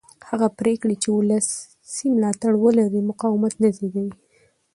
هغه پرېکړې چې ولسي ملاتړ ولري مقاومت نه زېږوي